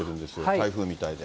台風みたいで。